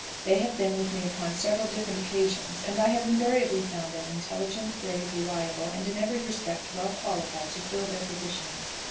They have been with me upon several different occasions, and I have invariably found them intelligent, brave, reliable, and in every respect well qualified to fill their positions.